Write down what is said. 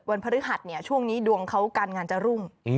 พฤหัสเนี่ยช่วงนี้ดวงเขาการงานจะรุ่ง